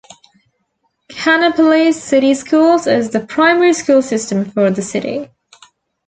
Kannapolis City Schools is the primary school system for the city.